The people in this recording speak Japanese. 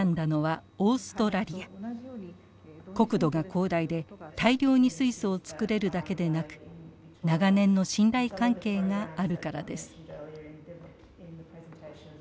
国土が広大で大量に水素を作れるだけでなく長年の信頼関係があるからです。